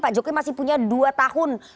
pak jokowi masih punya dua tahun